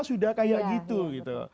sudah kayak gitu gitu